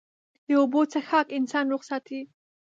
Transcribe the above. د اوبو څښاک انسان روغ ساتي.